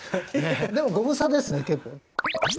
でもご無沙汰ですね結構。